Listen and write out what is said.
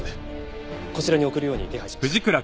こちらに送るように手配しました。